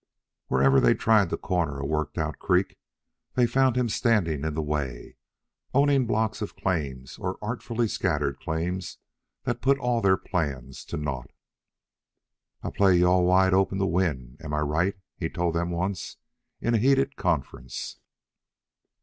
Wherever they tried to corner a worked out creek, they found him standing in the way, owning blocks of claims or artfully scattered claims that put all their plans to naught. "I play you all wide open to win am I right" he told them once, in a heated conference.